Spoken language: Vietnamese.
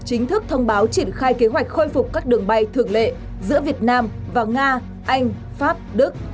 chính thức thông báo triển khai kế hoạch khôi phục các đường bay thường lệ giữa việt nam và nga anh pháp đức